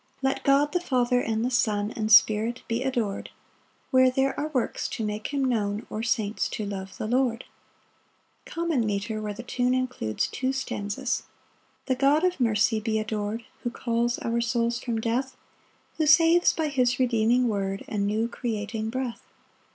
Let God the Father, and the Son, And Spirit be ador'd, Where there are works to make him known, Or saints to love the Lord. Common Metre. Where the tune includes two stanzas. 1 The God of mercy be ador'd, Who calls our souls from death, Who saves by his redeeming word, And new creating breath.